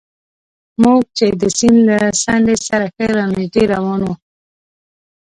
موږ چې د سیند له څنډې سره ښه نژدې روان وو.